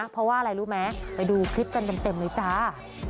เพราะว่าอะไรรู้ไหมไปดูคลิปกันเต็มเลยจ้า